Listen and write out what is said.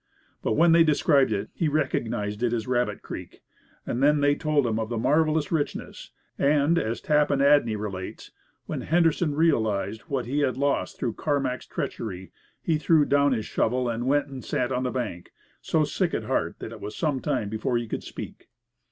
But when they described it, he recognized it as Rabbit Creek. Then they told him of its marvellous richness, and, as Tappan Adney relates, when Henderson realized what he had lost through Carmack's treachery, "he threw down his shovel and went and sat on the bank, so sick at heart that it was some time before he could speak."